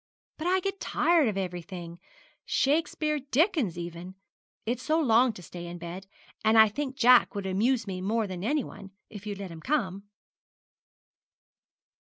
'But I get tired of everything Shakespeare, Dickens, even. It's so long to stay in bed; and I think Jack would amuse me more than anyone, if you'd let him come.'